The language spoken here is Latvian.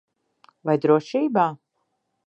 Vai drošībā?